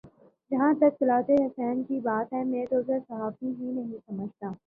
جہاں تک طلعت حسین کی بات ہے میں تو اسے صحافی ہی نہیں سمجھتا